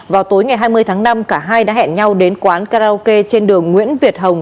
vào tối ngày hai mươi tháng năm cả hai đã hẹn nhau đến quán karaoke trên đường nguyễn việt hồng